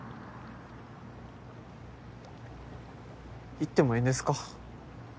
行ってもええんですか？